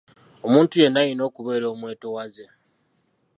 Omuntu yenna alina okubeera omwetowaze.